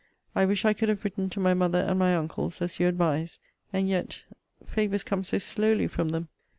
I wish I could have written to my mother and my uncles as you advise. And yet, favours come so slowly from them.